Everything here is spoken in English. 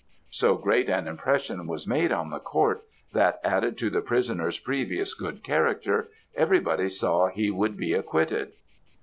So great an impression was made on the court, that, added to the prisoner's previous good character, every body saw he would be acquitted.